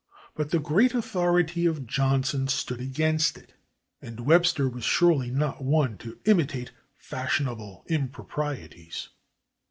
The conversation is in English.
But the great authority of Johnson stood against it, and Webster was surely not one to imitate fashionable improprieties.